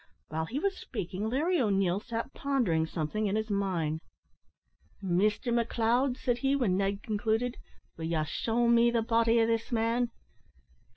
While he was speaking, Larry O'Neil sat pondering something in his mind. "Mister McLeod," said he, when Ned concluded, "will ye shew me the body o' this man?